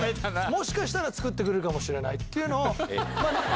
もしかしたら作ってくれるかもしれないって。